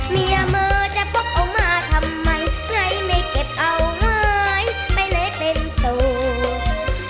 มียเมอร์จะพล่องมาทำไมไม่เก็บเอาหายไปไหนเป็นโสด